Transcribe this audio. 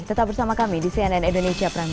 tetap bersama kami di cnn indonesia pramid